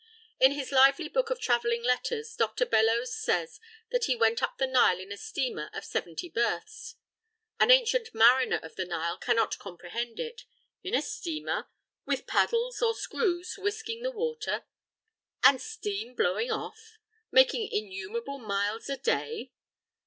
In his lively book of travelling letters Dr. Bellows says that he went up the Nile in a steamer of seventy berths. An ancient mariner of the Nile cannot comprehend it. In a steamer? With paddles or screws whisking the water? And steam blowing off? Making innumerable miles a day?